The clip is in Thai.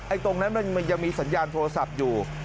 ตรงนั้นมันยังมีสัญญาณโทรศัพท์อยู่